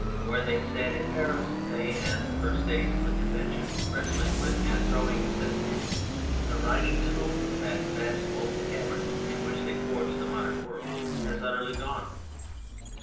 Where they sat in Paris, they and the first days of the Convention, wrestling with and throwing Necessity, the Riding School, that vast oval cavern in which they forged the modern world, has utterly gone.